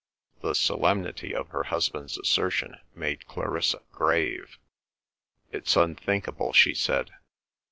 The solemnity of her husband's assertion made Clarissa grave. "It's unthinkable," she said.